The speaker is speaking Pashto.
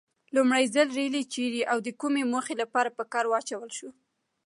لومړي ځل ریل چیري او د کومې موخې لپاره په کار واچول شو؟